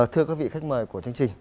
thưa các vị khách mời của chương trình